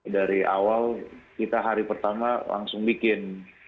dari awal kita hari pertama langsung bikin